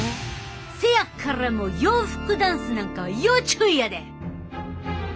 せやから洋服ダンスなんかは要注意やで！